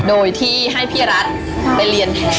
โดยที่ให้พี่รัฐไปเรียนแทน